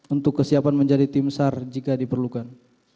untuk kesiapan menjadi tim sar jika diperlukan